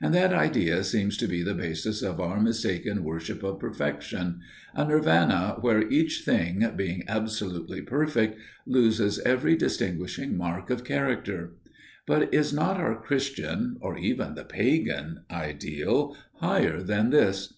And that idea seems to be the basis of our mistaken worship of perfection a Nirvana where each thing, being absolutely perfect, loses every distinguishing mark of character. But is not our Christian, or even the Pagan, ideal higher than this?